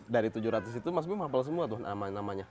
dari tujuh ratus itu mas bima hafal semua tuh namanya